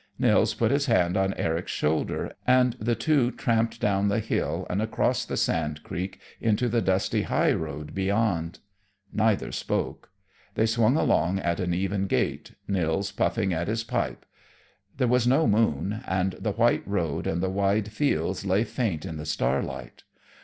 Nils put his hand on Eric's shoulder, and the two tramped down the hill and across the sand creek into the dusty highroad beyond. Neither spoke. They swung along at an even gait, Nils puffing at his pipe. There was no moon, and the white road and the wide fields lay faint in the starlight.